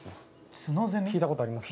聞いたことありますか？